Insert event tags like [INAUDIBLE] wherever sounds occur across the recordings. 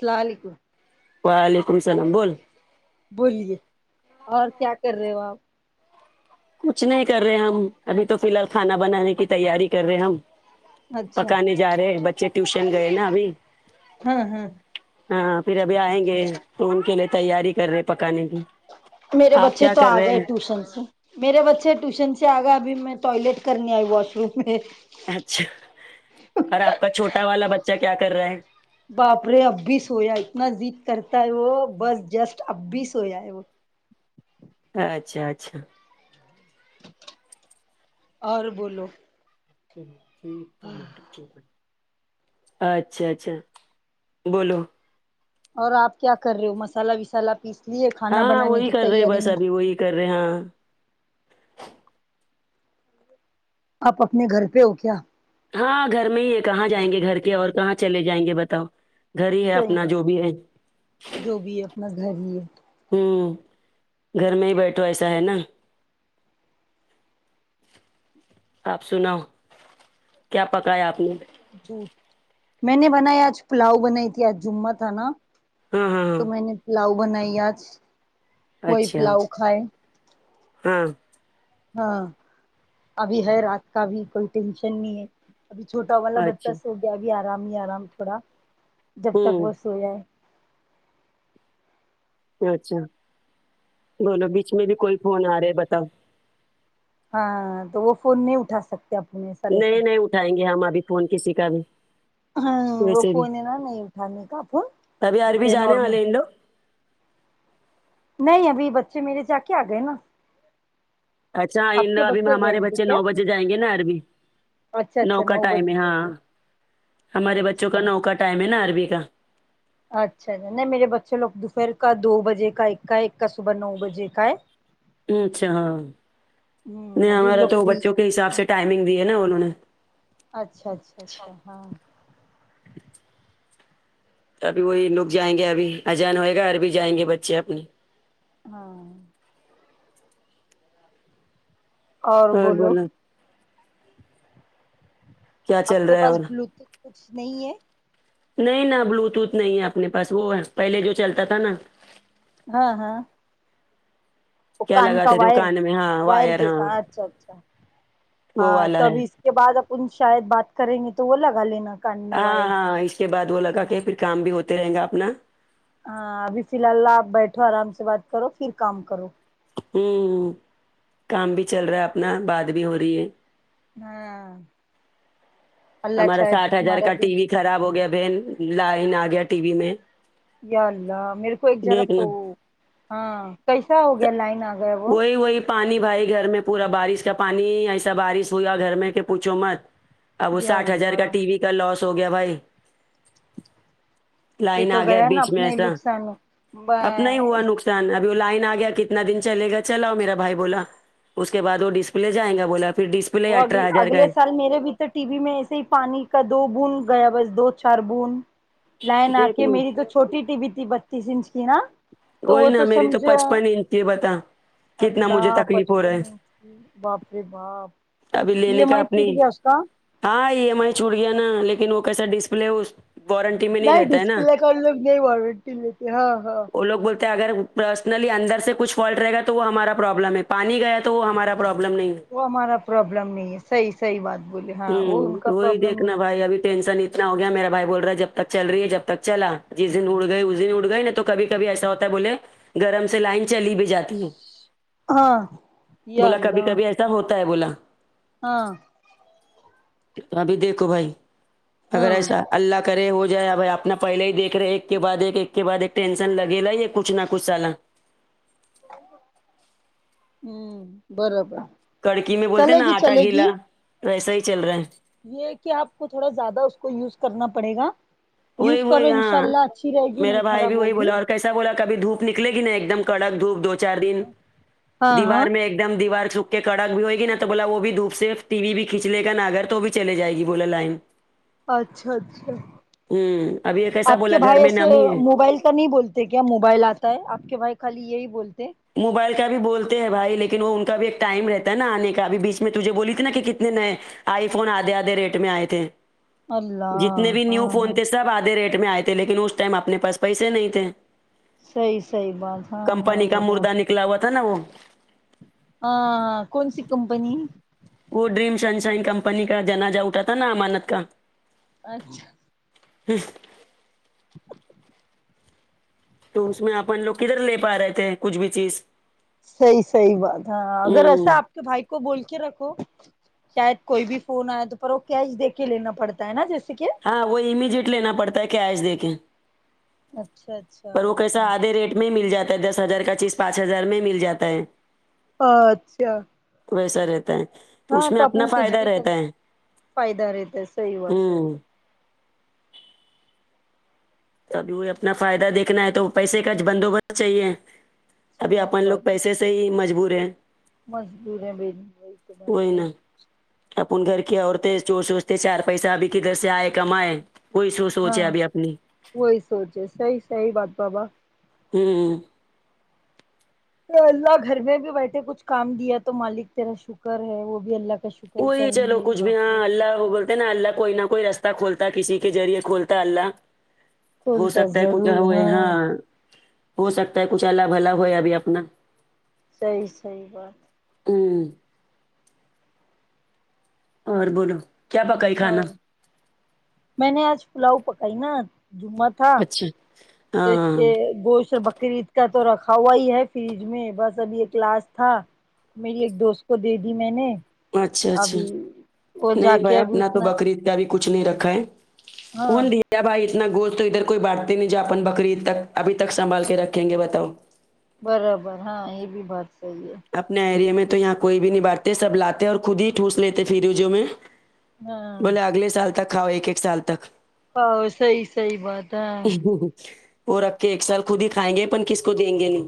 سلام علیکم وعلیکم السلام بولو بولیے اور کیا کر رہے ہو آپ کچھ نہیں کر رہے ہم ابھی تو فی الحال کھانا بنانے کی تیاری کر رہے ہم اچھا پکانے جا رہے بچے ٹیوشن گئے نا ابھی ہاں ہاں ہاں پھر ابھی آئیں گے تو ان کے لیے تیاری کر رہے پکانے کی میرے آپ بچے کیا تو کر آ رہے گئے ہیں ٹیوشن سے میرے بچے ٹیوشن سے آ گئے ابھی میں ٹوائلٹ کرنی آئی واش روم میں اچھا اور آپ کا چھوٹا والا بچہ کیا کر رہا ہے باپرے اب بھی سویا ہے اتنا ضد کرتا ہے وہ بس جسٹ اب بھی سویا ہے وہ اچھا اچھا اور بولو امم اچھا اچھا بولو اور آپ کیا کر رہے ہو مسالہ وسالہ پیس لیے کھانا بنانے کی تیاری میں کرے ہے آپ اپنے گھر پے ہو کیا ہاں گھر میں ہی ہے کہاں جائیں گے گھر کے اور کہاں چلے جائیں گے بتاؤ گھر ہی ہے صحیح اپنا بات جو بھی ہے جو بھی ہے بس گھر ہی ہے ہمم گھر میں ہی بیٹھو ایسا ہے نا آپ سناؤ کیا پکایا آپ نے میں نے بنایا آج پلاؤ بنائی ت جمہ تھا نا ہاں ہاں تو میں ہاں نے پلاؤ بنائی آج کوئی اچھا پلاؤ کھائے ہاں ہاں ابھی ہے رات کا بھی کوئی ٹینشن نہیں ہے ابھی چھوٹا والا بچہ اچھا سو گیا بھی آرام ہی آرام تھوڑا جب تک ہوں وہ سو جائے اچھا دونوں بیچ میں بھی کوئی فون آ رہا ہے بتاؤ ہاں تو وہ فون نہیں اٹھا سکتے اپنے رہتا نہیں ہے نہیں اٹھائیں گے ہم ابھی فون کسی کا بھی ہ وہ ویسے بھی فون ہے نا نہیں اٹھانے کا فون ابھی عربی جیسے جانے نارمل والے ہیں ان لوگ نہیں ابھی بچے میرے جا کے آ گئے نا آپ کے اچھاانلوگ ابھی جائیں ہمارے گے بچے کیا نو بجےجائیںنگے نا عربی اچھا نو اچھا کا ٹائم بجے ہے ہاں جاتے ہمارے بچوں اچھا کا نو کا ٹائم ہے نا عربی کا اچھا نہیں میرے بچے لوگ دوپہر کا دو بجے کا ایک کا ہے ایک کا صبح نو بجے کا ہے اچھاہاو ہوں نہیں ابھی وہ ہمارا لوگ تو فری ہے بچوں کے کچھ حساب سے ٹائمنگ دی ہے نا انہوں نے اچھا اچھا اچھا ہاں ابھی وہی لک جائیں گے ابھی اجان ہوئے گا اور بھی جائیں گے بچے اپنے ہاں اور بولو کیا آپ چل کے رہا ہے پاس اور بلوتوتھ کچھ نہیں ہے نہیں نہ بلوتوتھ نہیں ہے اپنے پاس وہ ہے پہلے جو چلتا تھا نا ہاں ہاں کیا کان کا لگاتے تھے وہ وائر کان میں ہاں وائر ہاں جیسا اچھا اچھا وہ ہاں والا ہے تبہی کے بعد اپن شاید بات کریں گے تو وہ لگا لینا کان میں ہاں وائر ہاں اس کے بعد وہ لگا کہ پھر کام بھی ہوتے رہے گا اپنا ہاں ابھی فی الحال آپ بیٹھو آرام سے بات کرو پھر کام کرو ہوں کام بھی چل رہا ہے اپنا بات بھی ہو رہی ہے ہاں اللہ ہمارا چاہے تو ساٹھ ہزار تمہارا کا بھی ٹی وی خراب ہو گیا بن لائن آ گیا ٹی وی میں یا اللہ میرے کو ایک ذرف دیکھنا ہو ہاں کیسا ہو گیا لائن آ گیا وہ وہی وہی پانی بھائی گھر میں پورا بارش کا پانی ایسا بارش ہوا گھر میں کہ پوچھو مت اب وہ یا ساٹھ ہزار کا اللہ ٹی وی کا لوس ہو گیا بھائی یہ لائن تو آ گیا نا بیچ میں اپنا ہی ایسا نقصان اپنا ہی ہوا اس نقصان ابھی وہ لائن آ گیا کتنا دن چلے گا چلاؤ میرا بھائی بولا اس کے بعد وہ ڈسپلے جاینگا گا بولا پھر ڈسپلے وہ اگل اٹھارہ ہزار کا اگلے ہے سال میرے بھی تو ٹی وی میں ایسے ہی پانی کا دو بوند گیا بس دو چار بوند لائن آ دیکھ کے لوں میری تو چھوٹی ٹی وی تھی بتیس انچ کی نا تو وہی وہ نا میری تو سمجھو پچپن انچ تھی بتا کتنا اللہ مجھے تکلیف ہو رہا پچپن ہے انچ کی باپ رے باپ کبھی ای ایم لیلکے ا آئی اپنی پھٹ گیا اس کا ہاں ای ایم آئی چھوٹ گیا نا لیکن وہ کیسا ڈسپلے اس وارنٹی میں نہیں رہتا ہے نا ڈسپلے کا انلوگ نہیں وارنٹتی لیتے ہاں ہاں وہ لوگ بولتا ہے اگر پرسنلی اندر سے کچھ فالٹ رہے گا تو وہ ہمارا پروابلم ہے پانی گیا تو تو ہمارا پروابلم نہیں ہے وہ ہمارا پرابلم نہیں ہے صح صحیح بات بولے ہاں وہ ان ہوں کا تو وہی پرابلم دیکھنا نہیں بھائی ابھی ٹینشن اتنا ہو گیا میرا بھائی بول رہا ہے جب تک چل رہی ہے جب تک چلا جس دن اڑ گئ اس دن اڑ گئ نا تو کبھی کبھی ایسا ہوتا ہے بولے گرم سے لائن چلی بھی جاتی ہے ہاں یا بولا کبھی اللہ کبھی ایسا ہوتا ہے بولا ہاں کتنا بھی دیکھو بھائی اگر ہاں ایسا اللہ کرے ہو جائے ا بھائی اپنا پہلے ہی دیکھ رہے ایک کے بعد ایک ایک کے بعد ایک ٹینشن لگے لا ہی ہے کچھ نہ کچھ سالا ہوں برابر کڑکی میں بولتے چلے ہیں نا گی آٹا چلے گی گیلا ویسا ہی چل رہا ہے یہ کہ آپ کو تھوڑا زیادہ اس کو یوز کرنا پڑے گا وہی یوز کرو وہی انشاء ہاں اللہ اچھی رہے گی نہیں میرا بھائی خراب بھی وہی ہوگی بولا اور کیسا بولا کب دھوپ نکے گیا ایک دم کڑک دھپ دھو چار دن ہاں ہاں دیوار میں ایک دم دیوار سک کہ کڑک بھی ہوئے گی نا تو بولا وہ بھی دھوپ سے ٹی وی بھی کھینچ لے گا نا اگر تو وہ بھی چلے جائے گی بولا لائن اچھا اچھا ہوں ابھی ایک ایسا آپ کے بولا گھر بھائی میں ایسے نمی ہے موبائل تو نہیں بولتے کیا موبائل آتا ہے آپ کے بھائی خالی یہی بولتے موبائل کا بھی بولتے ہیں بھائی لیکن وہ ان کا بھی ایک ٹائم رہتا ہے نا آنے کا ابھی بیچ میں تجھے بولی تھی نا کہ کتنے نئے آئی فون آدھے آدھے ریٹ میں آئے تھے جتنے اللہ بھی نیو ہاں فون ہاں تھے سب آدھے ریٹ میں آئے تھے لیکن اس ٹائم اپنے پاس پیسے نہیں تھے سحی صحی بات ہاں ہاں کمپنی کا بابا مردہ نکلا ہوا تھا نا وہ ہاں کون سی کمپنی وہ ڈریم شن شائن کمپنی کا جناجہ اٹھا تھا نا امانت کا اچھا ہا تو اس میں اپن لوگ کدھر لے پا رہے تھے کچھ بھی چیز صحیح صحیح بات ہے ہاں اگر ایسا ہوں آپ کے بھائی کو بول کے رکھو شاید کوئی بھی فون آئے تو پر وہ کیش دے کے لینا پڑتا ہے نا جیسے کہ ہاں وہ امیجیٹ لینا پڑتا ہے کیش دے کے اچھا اچھا پر وہ ایسا کیسا ہے آدھے ریٹ میں ہی مل جاتا ہے دس ہزار کا چیز پانچ ہزار میں ہی مل جاتا ہے اچھا ویسا رہتا ہے تو ہاں اس میں اپنا اپن کچھ فائدہ بھی کر رہتا ہے فائدہ رہتا ہے صحیح بات صحیح بات ہوں تبھی اپنا فائدہ دیکھنا ہے تو پیسے کا بندوبست چاہیے ابھی نہیں اپن لوگ بات پیسے سے مجبور ہے وہی نا [UNINTELLIGIBLE] اپن گھر کی عورتیں جوور سوچتے چار پیسہ ابھی کدھر سے آئے کمائے کوئی سو سوچ ہے ہاں ابھی اپنی وہی سوچے صحیح صحیح بات بابا ہوں اللہ گھر میں بھی بیٹھے کچھ کام دیا تو مالک تیرا شکر ہے وہ بھی اللہ کا شکر کوی کریں چلو گے کچھ بھی ہاں باپرے اللہ کچھ ہو نا نہ اللہ کوئی نہ کوئی رستہ کھولتا کسی کے ذریعے کھولتا ہے اللہ ہو کھولتا سکتا ہے کچھ ضرور ہو ہاں ہو سکتا ہے کچھ اللہ بھلا ہوئے ابھی اپنا صحیح صحیح بات ہوں اور بولو کیا پکائی کھانا اور میں نے آج پلاؤ پکائی نا جہ اچھا تو اس ہاں کے گوشت اور بکری کا تو رکھا ہوا ہی ہے فریج میں بس ابھی یہ ایک لاسٹ تھا میری ایک دوست کو دے دی میں نے اچھا اچھا ابھی وہ جا نہیں بھائی کے ابھی اپنا تو اتنا بکری بھی کچھ نہیں رکھا ہے ہاں کون د کیا بھائی اتنا گوشت تو ادھر کوئی بانٹتے نہیں جا اپن بکرعید تک ابھی تک سنبھال کے رکھیں گے بتاؤ برابر ہاں یہ بھی بات سی ہے اپنا ایریے میں تو یہاں کوئی بھی نہیں بانٹتے سب لاتے اور خود ہی ٹھس لیتے فریوجو میں ہاں بولے اگلے سال تک کھاؤ ایک ایک سال تک صحیح صحیح بات ہے وہ رکھ کے ایک سال خود ہی کھائیں گے پن کس کو دیں گے نہیں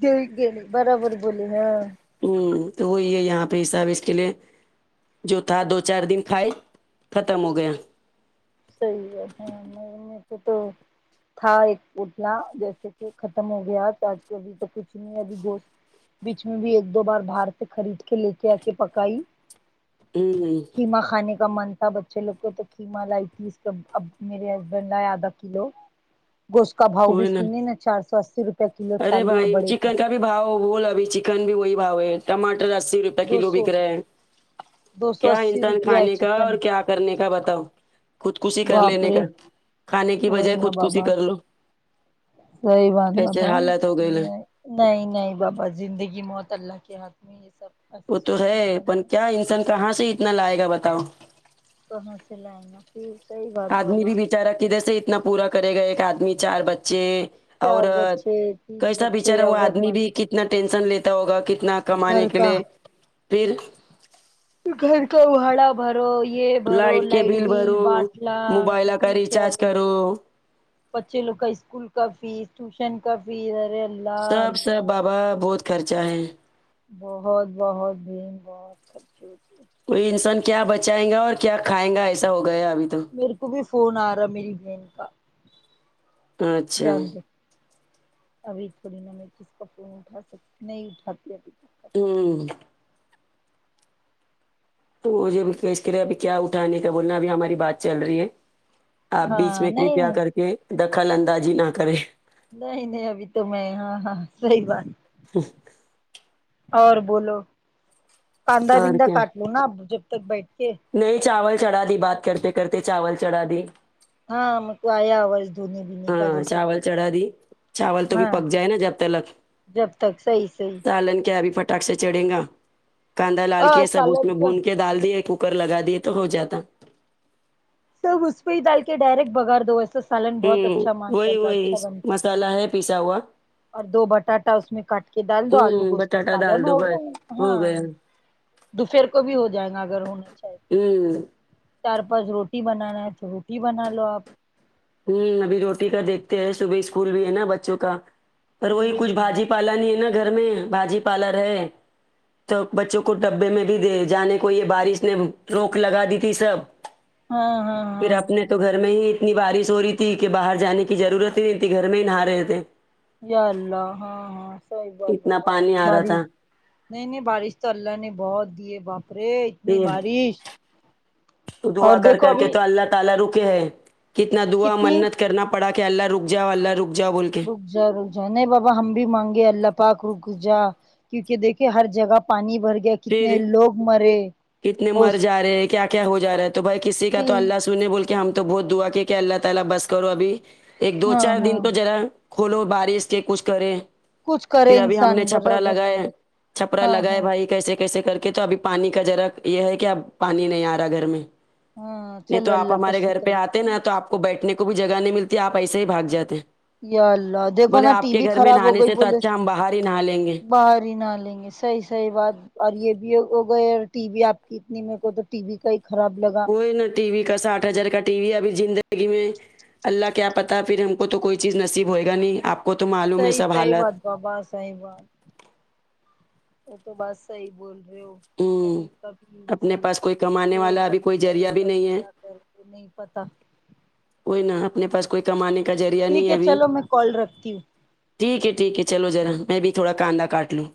ج گیلی برابر بولی ہاں ہوں تو وہی ہے یہاں پہ حساب اس کے لیے جو تھا دو چار دن کھائی ختم ہو گیا صحیح ہے ہاں م تو تو تھا ایک پتلا جیسے کہ ختم ہو گیا تو آج کو ابھی تو کچھ نہیں ابھی بش بیچ میں بھی ایک دو بار باہر سے خرید کے لے کے آ کے پکائی امم قیمہ کھانے کا من تھا بچے لوگ کو تو قیمہ لائی یس اب میرے ہسبینڈ لۓ آدھا کلو گوشت کا باؤ بھی سنی نا چار سو اسی روپئے کلو ارے چالو اور بھائی بڑے کا چکن بھی باؤ ہو بول ابھی چکن بھی وہی باؤ ہے ٹامٹر اسی روپئے دو کلو سو بک رہے ہیں دو سو کیا اسی انسان روپیہ ہے کھانے کا چکن اور کیا کرنے کا بتاؤ خود کشی کر باپ لینے رے کا کھانے کی وہی بجائے نا خود کشی بابا کر لو صحیح بات ایسے بابا حالت ہو گئے نا۔ نہیں نہیں بابا زندگی موت اللہ کے ہاتھ میں یہ سب ایسے وہ تو ہے سوچنے کا پن نہیں کیا انسان کہاں سے اتنا لائے گا بتاؤ کہاں سے لائے گا پھر صحیح بات آدمی بابا بھی بچارا کدھر سے اتنا پورا کرے گئے کہ آدمی چار بچے چار عورت بچے تین کیسا بچے بچارا وہ عورت آدمی بھی کت کتنا ٹینشن لیتا ہوگا کتنا مرد، کمانے گھر کے کا لیے پھر گھر کا ہھاڑا بھرو یہ بھرو لائٹ بل باٹلہ موبائل کا پھر کیا ریچارج بول کرو بچے لوگ کا اسکول کا فیس ٹیوشن کا فیس ارے اللہ اللہ ابا بہت خرچہ ہے بہت بہت دن بہت خ کوئی انسان کیا بچائینگا اور کیا کھائیں گا ایسا ہو گیا ابھی تو میرے کو بھی فون آ رہا ہے میری بین کا اچھا جاندو ابھی تھوڑی نہ میں کسی کا فون اٹھا سکتی نہیں اٹھا تی ابھی ہوں تو وہ اس کے لیے اب کیا اٹھانے کا بولنا ابھی ہماری بات چل رہی ہے فون۔ آپ بیچ ہاں میں نہیں کرپیا نہیں کر کے دخل اندازی نہ کریں نہیں نہیں ابھی تو میں ہاں ہاں صحیح بات ہ اور بولو کاندا اور بندا کیا کاٹ لو نا اب جب تک بیٹھ کے نہیں چاول چڑھا دی بات کرتے کرتے چاول چڑھا دی ہاں مطلب آیا آواز دھونے بینے کا ہاں جیسے کہ چاول چڑھا دی چاول تو بھی ہاں پک جائے نا جب تلک جب تک صحیح صحیح سالن کیا بھی پ ٹاک سے چڑھے گا کاندا لال کے ہاں سب اس سالن میں کیا بون کے ڈال دیئے کوکر لگا دیے تو ہو جاتا سب اس پہ ہی ڈال کے ڈائریکٹ بگار دو ایسا سالن بہت ہوں اچھا ماشاء وہی اللہ وہی اچھا بنتا مسالا ہے پیسا ہوا اور دو بٹاٹا اس میں کاٹ کے ڈال دو آلو ہوں گوشت کا بٹاٹا سالن ڈال دو ہوگیا بس ہو ہاں گیا دوپہر کو بھی ہو جائے گا اگر ہونا چاہیے ہوں چار پاچ روٹی بنانا ہے تو روٹی بنا لو آپ ہ ابھی روٹی کا دیکھتے ہیں صبح اسکول بھی ہے نا بچوں کا پر وہی ہوں کچھ ہوں بھاجی پالا نہیں ہے نا گھر میں باجی پارلر ہے تو بچوں کو ڈبے میں بھی دے جانے کو یہ بارش نے روک لگا دی تھی سب ہاں ہاں پھر ہاں ہاں اپنے تو گھر میں ہی اتنی بارش ہوری تھی کہ باہر جانے کی ضرورت ہی نہیں تھی گھر میں ہی نہا رہے تھے یا اللہ ہاں ہاں صحیح بات اتنا بابا پانی آ رہا باری تھا نہیں نہیں بارش تو اللہ نے بہت دی ہے باپ رے اتنی بارش تو دعا اور کر دیکھو کر کے ابھی تو اللہ تعالی رکے ہے کتنا دعا کتنی منت کرنا پڑا کہ اللہ رک جاؤ اللہ رک جاؤ بول کے رک جا رک جا نہیں بابا ہم بھی مانگے اللہ پاک رک جا کیونکہ دیکھے ہر جگہ پانی بھر گیا کتنے پھر لوگ مرے کتنے اور مر جا رہے ہیں کیا کیا ہو جا رہا ہے تو بھائی کسی کا تو اللہ سنے بول کے ہم تو بہت دعا کے کہ اللہ تعالی بس کرو ابھی ایک دو ہاں چار ہاں دن تو زرا کھولو بارش کے کچھ کرے کچھ کرے پھر ابھی ہم انسان نے چھپرا برابر لگایا بابا چھپرا ہاں لگائے ہاں بھائی کیسے کیسے کر کے تو ابھی پانی کا ذرا یہ ہے کہ اب پانی نہیں آ رہا ہے گھر میں ہاں نہیں چلو تو آپ اللہ کا ہمارے گھر پہ شکر آتے ہے نا تو آپ کو بیٹھنے کو بھی جگہ نہیں ملتی آپ ایسے ہی بھاگ جاتے ہیں یا اللہ دیکھو بولے نا آپ ٹی کے وی گھر میں خراب ہو نہانے گئی سے تو بولے اچھا ہم باہر ہی نہا لینگے باہر ہی نہا لینگے صحیح صحیح بات اور یہ بھی ہو گئے اور ٹی وی آپ کتنی میرے کو تو ٹی وی کا ہی خراب لگا کوئی نا ٹی وی کا ساٹھ ہزار کا ٹی وی ابھی زندگی میں اللہ کیا پتہ پھر ہم کو تو کوئی چیز نصیب ہوئے گا نہیں آپ کو تو معلوم ہے صحیح سب صحیح حالت بات بابا صحیح بات تو بس صحیح بول رہے ہو ہوں ابھی کبھی اپنے انسان پاس کوئی کمانے لے والا ابھی کبھی کوئی بھرے ذریعہ بھی کبھی کیا کرے نہیں پتا وہئی نہ اپنے پاس کوئی کمانے کا ذریعہ ٹھیک نہیں ہے ابھی چلو میں کال رکھتی ہوں ٹھیک ہے ٹھیک ہے چلو ذرا میں بھی تھوڑا کاندا کاٹ لوں